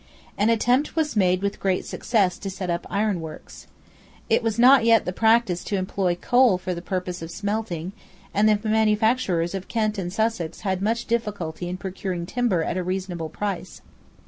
An attempt was made with great success to set up iron works. It was not yet the practice to employ coal for the purpose of smelting; and the manufacturers of Kent and Sussex had much difficulty in procuring timber at a reasonable price.